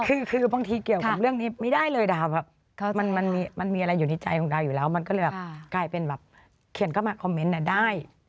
คือบางทีเกี่ยวกับเรื่องนี้ไม่ได้เลยดาวแบบมันมีอะไรอยู่ในใจของดาวอยู่แล้วมันก็เลยแบบกลายเป็นแบบเขียนเข้ามาคอมเมนต์ได้